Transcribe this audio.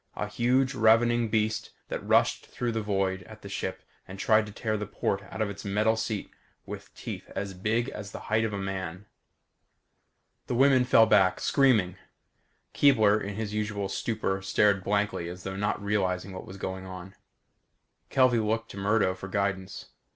A huge ravening beast that rushed through the void at the ship and tried to tear the port out of its metal seat with teeth as big as the height of a man. The women fell back, screaming. Keebler, in his usual stupor stared blankly as though not realizing what was going on. Kelvey looked to Murdo for guidance.